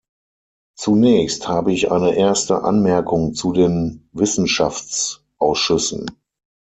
Zunächst habe ich eine erste Anmerkung zu den Wissenschaftsausschüssen.